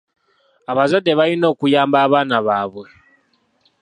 Abazadde balina okuyamba abaana baabwe.